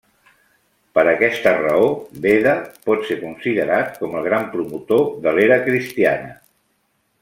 Per aquesta raó, Beda pot ser considerat com el gran promotor de l'era cristiana.